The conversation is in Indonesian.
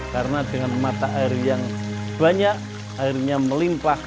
karena dengan mata air yang banyak airnya melimpah